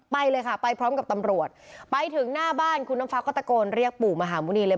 ไปเลยค่ะไปพร้อมกับตำรวจไปถึงหน้าบ้านคุณน้ำฟ้าก็ตะโกนเรียกปู่มหาหมุณีเลย